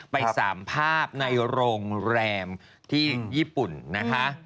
ไป๓ภาพในโรงแรมที่ญี่ปุ่นนะคะ